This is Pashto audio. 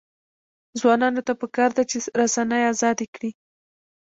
ځوانانو ته پکار ده چې، رسنۍ ازادې کړي.